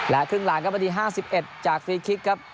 ครึ่งหลังครับนาที๕๑จากฟรีคิกครับ